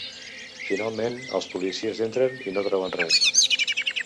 Finalment, els policies entren i no troben res.